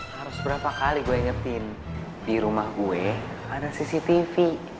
harus berapa kali gue ingetin di rumah gue ada cctv